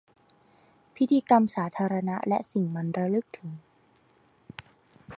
พิธีกรรมสาธารณะและสิ่งมันระลึกถึง